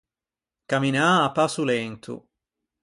Camminâ à passo lento.